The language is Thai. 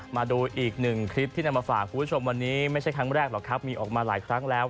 มาดูอีกหนึ่งคลิปที่นำมาฝากคุณผู้ชมวันนี้ไม่ใช่ครั้งแรกหรอกครับมีออกมาหลายครั้งแล้ว